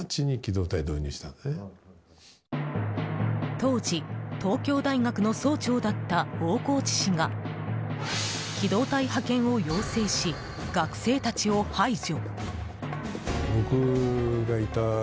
当時、東京大学の総長だった大河内氏が機動隊派遣を要請し学生たちを排除。